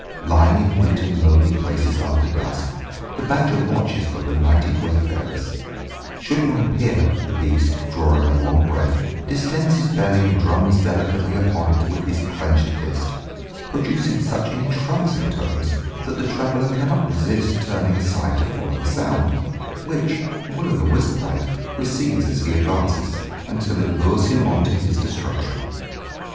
Lying in wait in lonely places after dusk, the badger watches for benighted wayfarers: should one appear, the beast, drawing a long breath, distends his belly and drums delicately upon it with his clenched fist, producing such entrancing tones, that the traveller cannot resist turning aside to follow the sound, which, Will o' the wisp like, recedes as he advances, until it lures him on to his destruction.